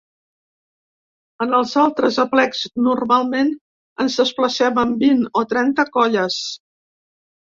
En els altres aplecs normalment ens desplacem amb vint o trenta colles!